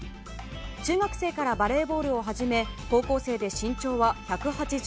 中学生からバレーボールを始め高校生で身長は１８２ｃｍ。